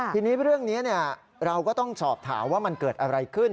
ทีนี้เรื่องนี้เราก็ต้องสอบถามว่ามันเกิดอะไรขึ้น